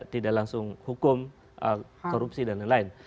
tidak langsung hukum korupsi dan lain lain